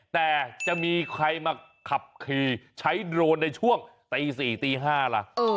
แต่จะมีใครมาขับขี่ใช้โดรนในช่วงตี๔ตี๕ล่ะ